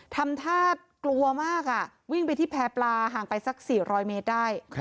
ทำท่ากลัวมากวิ่งไปที่แพร่ปลาห่างไปสัก๔๐๐เมตรได้